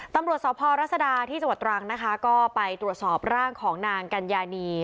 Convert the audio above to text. ตำรวจสพรัศดาที่จังหวัดตรังนะคะก็ไปตรวจสอบร่างของนางกัญญานี